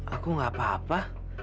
aku tidak apa apa